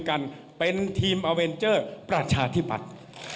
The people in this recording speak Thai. กันเป็นทีมอเวนเจอร์ประชาธิปัตย์